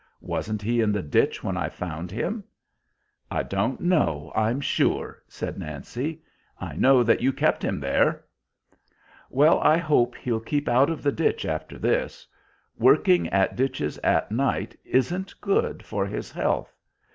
Wasn't he in the ditch when I found him?" "I don't know, I'm sure," said Nancy. "I know that you kept him there." "Well, I hope he'll keep out of the ditch after this. Working at ditches at night isn't good for his health.